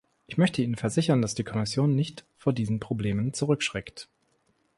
Ich möchte Ihnen versichern, dass die Kommission nicht vor diesen Problemen zurückschreckt.